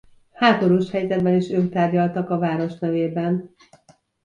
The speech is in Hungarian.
Háborús helyzetben is ők tárgyaltak a város nevében.